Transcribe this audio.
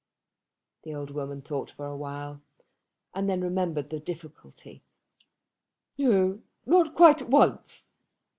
The old woman thought for a while, and then remembered the difficulty. "No, not quite at once."